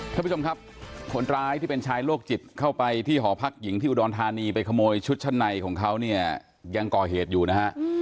ท่านผู้ชมครับคนร้ายที่เป็นชายโรคจิตเข้าไปที่หอพักหญิงที่อุดรธานีไปขโมยชุดชั้นในของเขาเนี่ยยังก่อเหตุอยู่นะฮะ